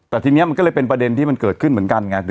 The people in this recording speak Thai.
แต่ทีนี้มันก็เลยเป็นประเด็นที่มันเกิดขึ้นเหมือนกันไง